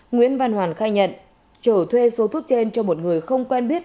nguyễn văn hoàn khai nhận trở thuê số thuốc trên cho một người không quen biết